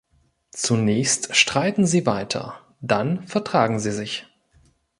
Zunächst streiten sie weiter, dann vertragen sie sich.